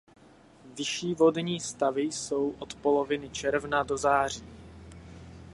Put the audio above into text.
Vyšší vodní stavy jsou od poloviny června do září.